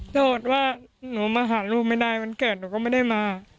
โทษว่าหนูมาหาลูกไม่ได้วันเกิดหนูก็ไม่ได้มา